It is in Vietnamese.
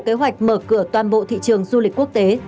chính phủ kế hoạch mở cửa toàn bộ thị trường du lịch quốc tế